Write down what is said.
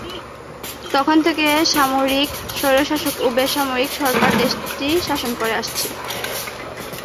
তখন থেকে সামরিক স্বৈরশাসক ও বেসামরিক সরকার দেশটি শাসন করে আসছে।